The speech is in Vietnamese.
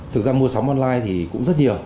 thực ra mua sóng online thì cũng rất nhiều